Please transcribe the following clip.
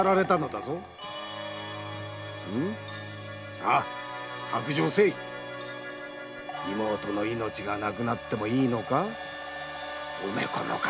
さぁ白状せい妹の命がなくなってもよいのか梅子の方。